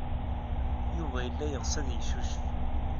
Yuba yella yeɣs ad yeccucef.